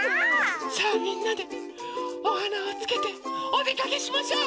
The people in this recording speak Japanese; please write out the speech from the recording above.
さあみんなでおはなをつけておでかけしましょう！